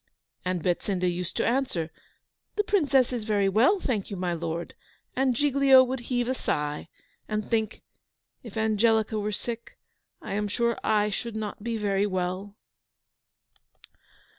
And Betsinda used to answer, "The Princess is very well, thank you, my lord." And Giglio would heave a sigh and think, "If Angelica were sick, I am sure I should not be very well."